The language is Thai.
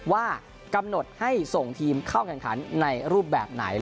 ว่ากำหนดให้ส่งทีมเข้าแข่งขันในรูปแบบไหน